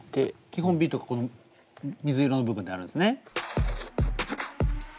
基本ビートがこの水色の部分であるんですね。